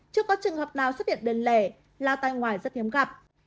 chưa có trường hợp nào xuất hiện đơn lẻ lao tay ngoài rất hiếm gặp